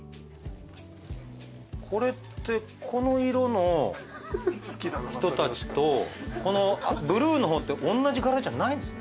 これってこの色の人たちとこのブルーの方っておんなじ柄じゃないんすね。